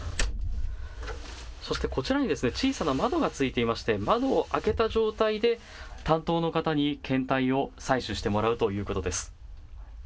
そしてこちらに小さな窓がついていまして窓を開けた状態で担当の方に検体を採取してもらうということです。